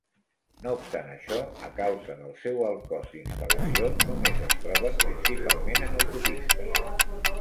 No obstant això, a causa del seu alt cost d'instal·lació, només es troben principalment en autopistes.